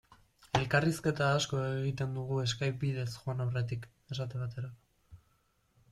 Elkarrizketa asko egiten dugu Skype bidez joan aurretik, esate baterako.